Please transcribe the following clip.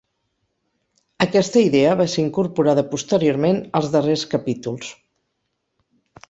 Aquesta idea va ser incorporada posteriorment als darrers capítols.